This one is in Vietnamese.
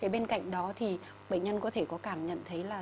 bên cạnh đó thì bệnh nhân có thể có cảm nhận thấy là